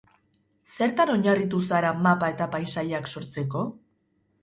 Zertan oinarritu zara mapa eta paisaiak sortzeko?